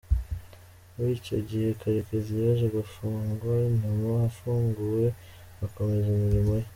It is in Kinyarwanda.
Muri icyo gihe Karekezi yaje gufungwa nyuma afunguwe akomeza imirimo ye.